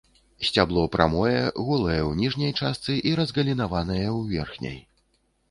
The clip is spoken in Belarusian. Сцябло прамое, голае ў ніжняй частцы і разгалінаванае ў верхняй.